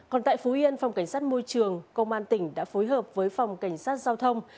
còn tại phú yên phòng cảnh sát môi trường công an tỉnh đã phối hợp với phòng cảnh sát giao thông